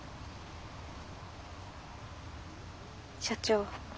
社長。